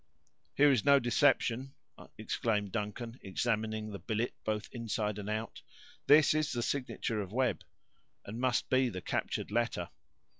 "Here is no deception!" exclaimed Duncan, examining the billet both inside and out; "this is the signature of Webb, and must be the captured letter."